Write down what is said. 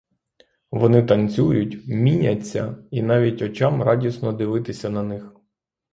Вони танцюють, міняться, і навіть очам радісно дивитися на них.